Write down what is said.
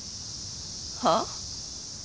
はあ？